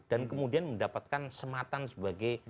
dan kemudian mendapatkan sematan sebagai